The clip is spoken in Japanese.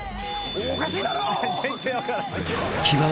おかしいだろ！